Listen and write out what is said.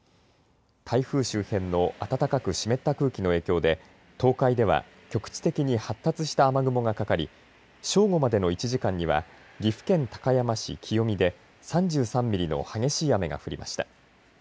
台風周辺の暖かく湿った空気の影響で東海では局地的に発達した雨雲がかかり、正午までの１時間には岐阜県高山市清見で３３ミリの激しい雨が降りました。